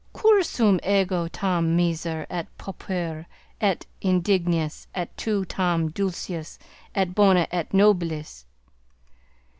Cur sum ego tam miser et pauper et indignus, et tu tam dulcis et bona et nobilis?